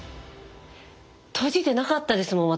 閉じてなかったですもん私。